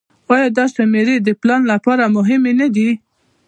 آیا دا شمیرې د پلان لپاره مهمې نه دي؟